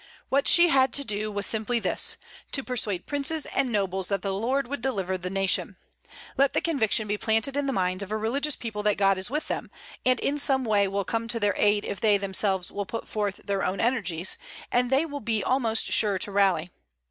What she had to do was simply this, to persuade princes and nobles that the Lord would deliver the nation. Let the conviction be planted in the minds of a religious people that God is with them, and in some way will come to their aid if they themselves will put forth their own energies, and they will be almost sure to rally.